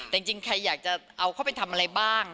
แต่จริงใครอยากจะเอาเข้าไปทำอะไรบ้าง